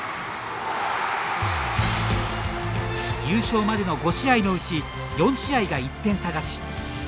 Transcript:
優勝までの５試合のうち４試合が１点差勝ち。